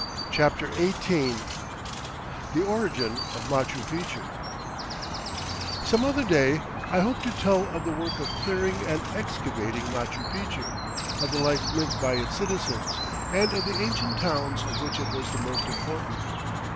CHAPTER XVIII The Origin of Machu Picchu Some other day I hope to tell of the work of clearing and excavating Machu Picchu, of the life lived by its citizens, and of the ancient towns of which it was the most important.